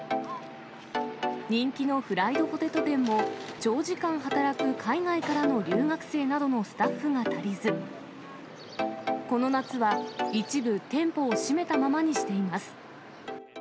人気のフライドポテト店も、長時間働く海外からの留学生などのスタッフが足りず、この夏は一部店舗を閉めたままにしています。